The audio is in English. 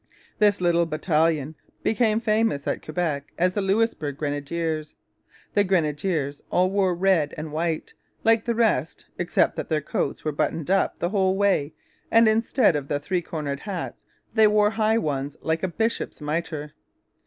This little battalion became famous at Quebec as the 'Louisbourg Grenadiers.' The grenadiers all wore red and white, like the rest, except that their coats were buttoned up the whole way, and instead of the three cornered hats they wore high ones like a bishop's mitre.